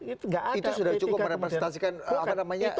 itu sudah cukup merepresentasikan apa namanya